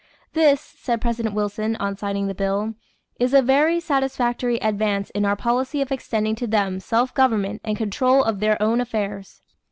This, said President Wilson on signing the bill, is "a very satisfactory advance in our policy of extending to them self government and control of their own affairs."